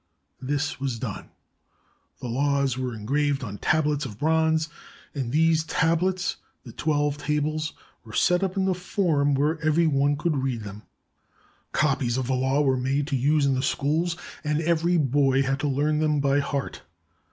This was done. The laws were engraved on tablets of bronze, and these tablets, the "Twelve Tables," were set up in the forum where every one could read them. Copies of the laws were made to use in the schools, and every boy had to learn them by heart.